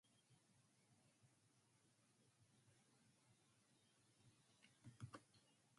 Cutaneous receptors are at the ends of afferent neurons.